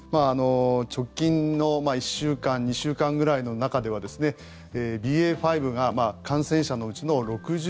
直近の１週間、２週間ぐらいの中ではＢＡ．５が感染者のうちの６５％